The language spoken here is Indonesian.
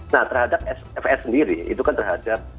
nah terhadap fs sendiri itu kan terhadap